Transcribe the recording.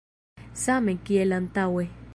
Same kiel antaŭe.